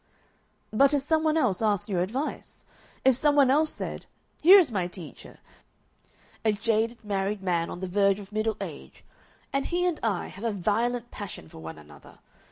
"But if some one else asked your advice? If some one else said, 'Here is my teacher, a jaded married man on the verge of middle age, and he and I have a violent passion for one another.